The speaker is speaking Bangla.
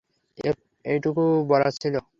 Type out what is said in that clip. এটুকুই বলার ছিল।